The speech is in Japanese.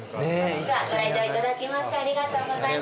ご来場いただきましてありがとうございます。